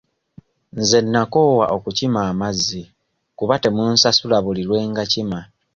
Nze nnakoowa okukima amazzi kuba temunsasula buli lwe ngakima.